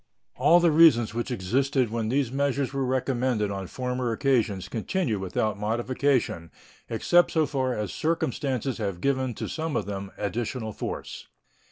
All the reasons which existed when these measures were recommended on former occasions continue without modification, except so far as circumstances have given to some of them additional force.